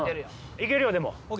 いけるよでも。